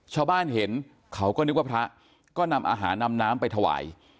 ชาวบ้านเห็นเขาก็นึกว่าพระก็นำอาหารนำน้ำไปถวาย